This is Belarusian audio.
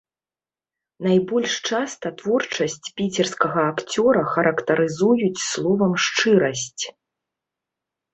Найбольш часта творчасць піцерскага акцёра характарызуюць словам шчырасць.